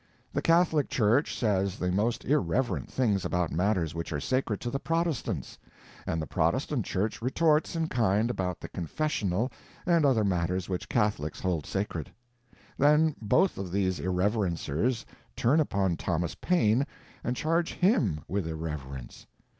The Catholic Church says the most irreverent things about matters which are sacred to the Protestants, and the Protestant Church retorts in kind about the confessional and other matters which Catholics hold sacred; then both of these irreverencers turn upon Thomas Paine and charge him with irreverence.